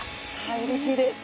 はいうれしいです。